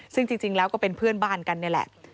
ซึ่งจริงแล้วก็เป็นเพื่อนบ้านกันนี่แหละ